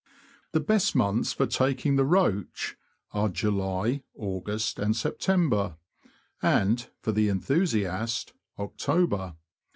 The best months for taking the roach are July, August, September, and — for the enthusiast — October.